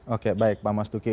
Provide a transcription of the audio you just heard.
oke baik pak mas duki